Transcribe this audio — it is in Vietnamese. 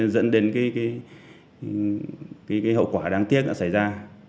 dẫn đến hậu quả đáng tiếc đã xảy ra